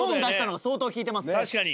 確かに。